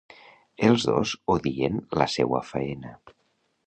Els dos odien la seua faena.